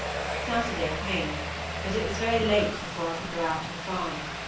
Saturday came; but it was very late before I could go out to the farm.